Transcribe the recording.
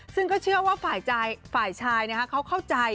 ซึ่งก็เชื่อว่าฝ่ายชายเขาเข้าใจ